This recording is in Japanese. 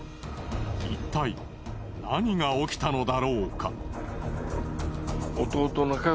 いったい何が起きたのだろうか？